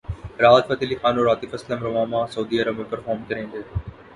راحت فتح علی خان اور عاطف اسلم رواں ماہ سعودی عرب میں پرفارم کریں گے